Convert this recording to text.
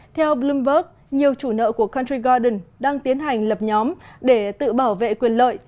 theo bloomberg nhiều chủ nợ của country garden đang tiến hành lập nhóm để tự bảo vệ quyền lợi